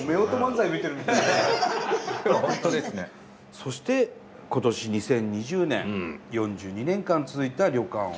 そして今年２０２０年４２年間続いた旅館を。